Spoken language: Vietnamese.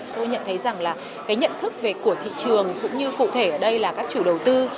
tôi nhận thấy rằng là cái nhận thức của thị trường cũng như cụ thể ở đây là các chủ đầu tư